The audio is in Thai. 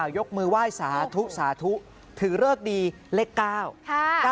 ยกมือไหว้สาธุสาธุถือเลิกดีเลข๙